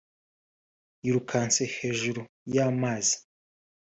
yirukanse hejuru y’amazi